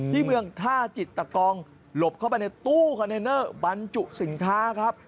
ที่เมืองท่าจิตตะกองหลบเข้าไปในตู้คอนเทนเนอร์บรรจุสินค้าครับ